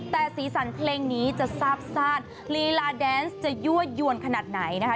แต่สีสันเพลงนี้จะทราบซ่านลีลาแดนซ์จะยั่วยวนขนาดไหนนะคะ